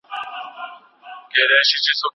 سهارنۍ نه خوړل د ښځو لپاره هم خطر لري.